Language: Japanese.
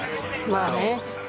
まあね。